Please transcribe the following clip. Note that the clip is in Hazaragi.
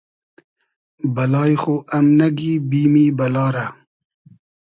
بئلای خو ام نئگی بیمی بئلا رۂ